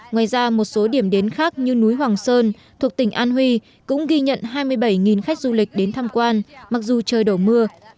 ngoài ra một số điểm đến khác như núi hoàng sơn thuộc tỉnh an huy cũng ghi nhận hai mươi bảy khách du lịch đến tham quan mặc dù trời đổ mưa